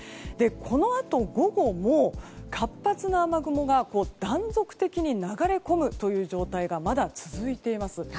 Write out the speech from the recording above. このあと午後も活発な雨雲が断続的に流れ込むという状態がまだ続いています。